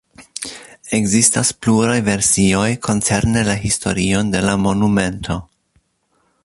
Ekzistas pluraj versioj koncerne la historion de la monumento.